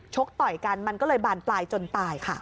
ต่อยกันมันก็เลยบานปลายจนตายค่ะ